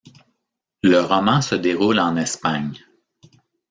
Le roman se déroule en Espagne.